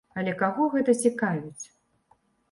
Але каго гэта цікавіць?